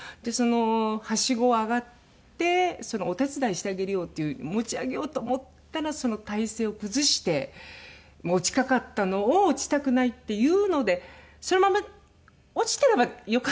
はしごを上がって「お手伝いしてあげるよ」って持ち上げようと思ったらその体勢を崩して落ちかかったのを落ちたくないっていうのでそのまま落ちてればよかったのか。